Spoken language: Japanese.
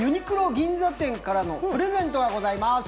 銀座店からのプレゼントがございます。